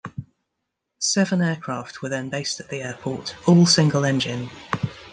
Seven aircraft were then based at the airport, all single-engine.